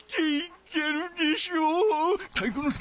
体育ノ介。